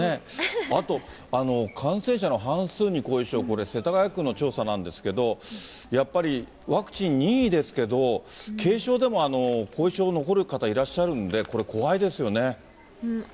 あと、感染者の半数に後遺症、これ、世田谷区の調査なんですけど、やっぱり、ワクチン任意ですけど、軽症でも後遺症残る方いらっしゃるんで、これ、怖いですよね。